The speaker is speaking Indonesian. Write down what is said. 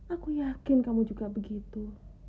aku yakin kamu juga begitu